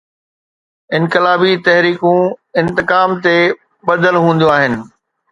انقلابي تحريڪون انتقام تي ٻڌل هونديون آهن.